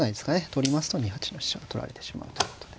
取りますと２八の飛車を取られてしまうということで。